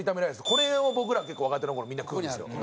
これを僕らは結構若手の頃みんな食うんですよ。